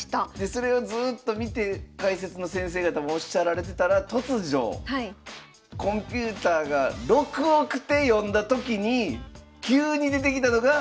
それをずっと見て解説の先生方もおっしゃられてたら突如コンピュータが６億手読んだときに急に出てきたのが。